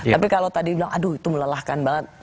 tapi kalau tadi bilang aduh itu melelahkan banget